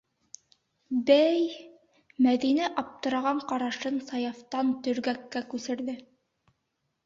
Бәй, - Мәҙинә аптыраған ҡарашын Саяфтан төргәккә күсерҙе.